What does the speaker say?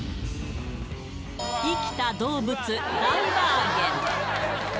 生きた動物大バーゲン。